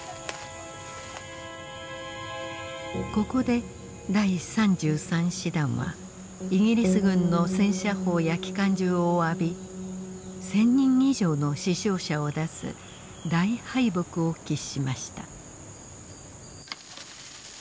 ここで第３３師団はイギリス軍の戦車砲や機関銃を浴び１，０００人以上の死傷者を出す大敗北を喫しました。